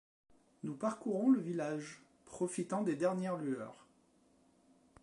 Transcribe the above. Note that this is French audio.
Nous parcourons le village, profitant des dernières lueurs.